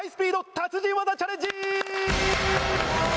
達人技チャレンジ‼